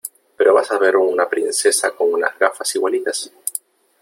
pero vas a ver a una princesa con unas gafas igualitas